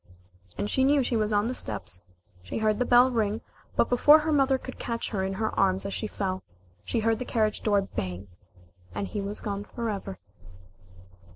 And she knew she was on the steps. She heard the bell ring, but before her mother could catch her in her arms as she fell, she heard the carriage door bang, and he was gone forever.